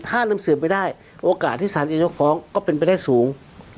ถ้านำเสืบไม่ได้โอกาสที่สาธารณียกฟ้องก็เป็นเป็นแรกสูง